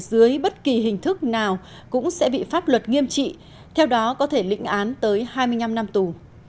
dưới bất kỳ hình thức nào cũng sẽ bị pháp luật nghiêm trị theo đó có thể lịnh án tới hai mươi năm năm tù